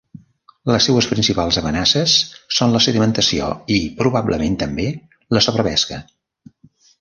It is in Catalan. Les seues principals amenaces són la sedimentació i, probablement també, la sobrepesca.